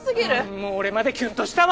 もう俺までキュンとしたわ！